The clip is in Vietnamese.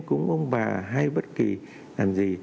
cúng ông bà hay bất kì làm gì